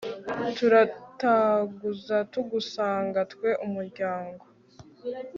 turataguza tugusanga, twe umuryango